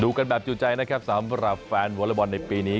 ดูกันแบบใจนะครับสำหรับแฟนวอลไลท์ในปีนี้